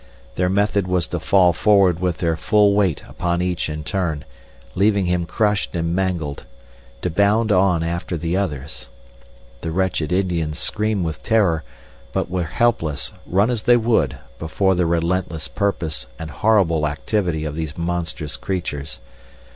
Their method was to fall forward with their full weight upon each in turn, leaving him crushed and mangled, to bound on after the others. The wretched Indians screamed with terror, but were helpless, run as they would, before the relentless purpose and horrible activity of these monstrous creatures.